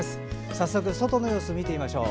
早速、外の様子を見てみましょう。